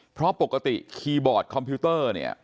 เพราะปกติคีย์บอร์ดคอมพิวเตอร์เนี่ย